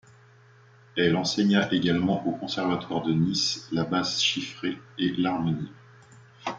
Elle enseigna également au Conservatoire de Nice la basse chiffrée et l'harmonie.